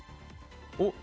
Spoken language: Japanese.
おっ。